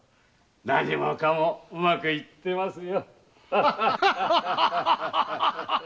何もかもうまくいってますよ。